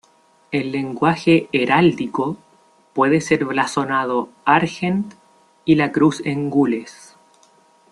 En lenguaje heráldico, puede ser blasonado "argent, y la cruz en gules".